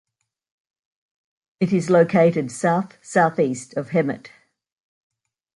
It is located south-southeast of Hemet.